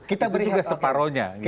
itu juga separohnya